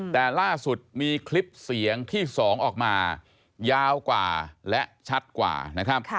แต่ล่าสุดมีคลิปเสียงที่๒ออกมายาวกว่าและชัดกว่านะครับ